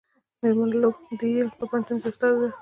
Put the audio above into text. میرمن لو د ییل په پوهنتون کې استاده ده.